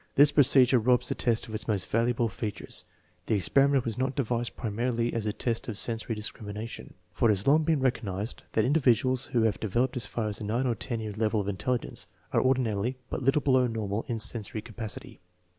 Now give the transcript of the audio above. This procedure robs the test of its most valuable features. The experiment was not devised primarily as a test of sensory discrimination, for it has long been recognized that in dividuals who have developed as far as the 9 or 10 year level of intelligence are ordinarily but little below normal in sensory capacity.